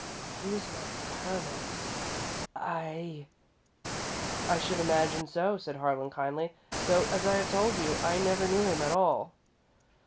He was my Colonel I " "I should imagine so," said Harlan, kindly, "though, as I have told you, I never knew him at all."